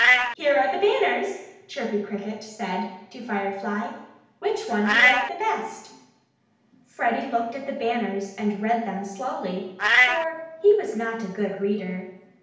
"Here are the banners!" Chirpy Cricket said to Freddie. "Which one do you like best?" Freddie looked at the banners and read them slowly, for he was not a good reader.